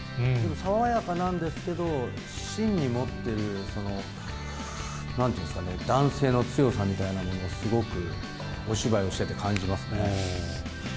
爽やかなんですけど、芯に持っている、なんて言うんですかね、男性の強さみたいなものをすごくお芝居をしていて感じますね。